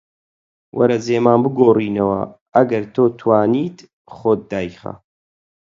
وەرە جێمان بگۆڕینەوە، ئەگەر تۆ توانیت خۆت دایخە